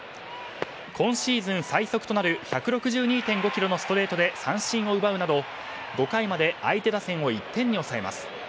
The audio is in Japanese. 今シーズン最速となる１６２．５キロのストレートで三振を奪うなど５回まで相手打線を１点に抑えます。